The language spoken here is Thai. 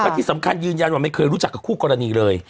ที่สำคัญยืนยันว่าไม่เคยรู้จักกับคู่กรณีเลย